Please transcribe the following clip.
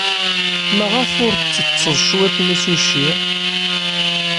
Maɣef ur tettetteḍ cwiṭ n usuci?